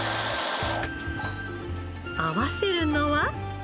合わせるのは。